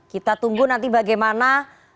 kita tunggu nanti bagaimana